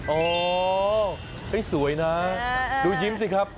โอ้ยสวยนะดูยิ้มสิครับ